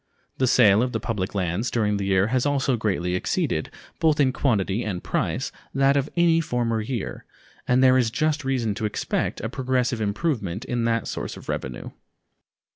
The sale of the public lands during the year has also greatly exceeded, both in quantity and price, that of any former year, and there is just reason to expect a progressive improvement in that source of revenue.